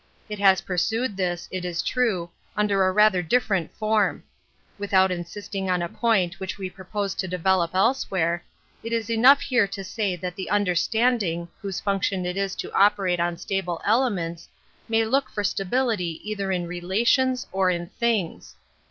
It has ' pursued this, it is true, under a rather dif / ferent form. Without insisting on a point which we propose to develop elsewhere, it is enough here to say that the understand '^ ing, whose function it is to operate on stable elements, may look for stability either in relations or in things.